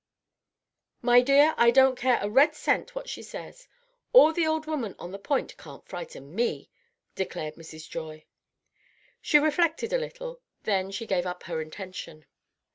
"My dear, I don't care a red cent what she says. All the old women on the Point can't frighten me," declared Mrs. Joy. She reflected a little; then she gave up her intention.